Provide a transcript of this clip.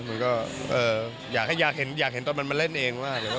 มันก็อยากเห็นตอนมันมาเล่นเองว่า